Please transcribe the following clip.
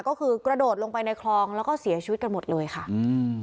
ก็คือกระโดดลงไปในคลองแล้วก็เสียชีวิตกันหมดเลยค่ะอืม